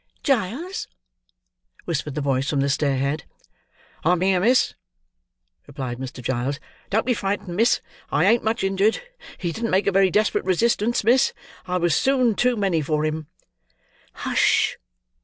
"Giles!" whispered the voice from the stair head. "I'm here, miss," replied Mr. Giles. "Don't be frightened, miss; I ain't much injured. He didn't make a very desperate resistance, miss! I was soon too many for him." "Hush!"